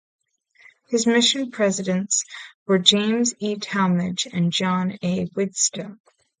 His mission presidents were James E. Talmage and John A. Widtsoe.